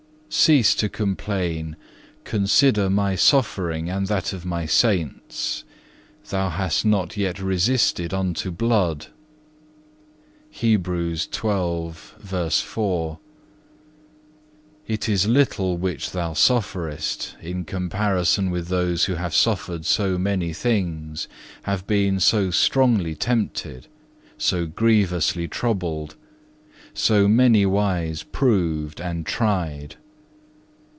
Cease to complain; consider My suffering and that of My saints. Thou hast not yet resisted unto blood.(1) It is little which thou sufferest in comparison with those who have suffered so many things, have been so strongly tempted, so grievously troubled, so manywise proved and tried.